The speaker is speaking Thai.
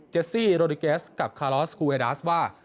ซี่โรดิเกสกับคาลอสคูเอดาสว่า